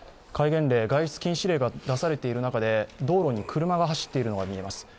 戒厳令、外出禁止令が出されている中で、道路に車が走っているのが見えます。